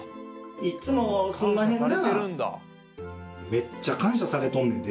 めっちゃ感謝されとんねんで。